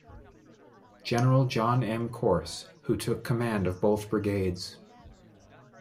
General John M. Corse, who took command of both brigades.